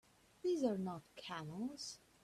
These are not camels!